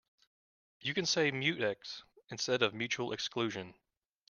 You can say mutex instead of mutual exclusion.